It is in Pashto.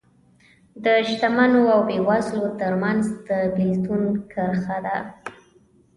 د شتمنو او بېوزلو ترمنځ د بېلتون کرښه ده